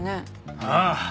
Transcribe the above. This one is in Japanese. ああ。